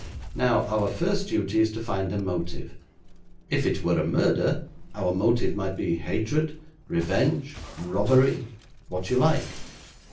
Now our first duty is to find a motive. If it were a murder, our motive might be hatred, revenge, robbery what you like.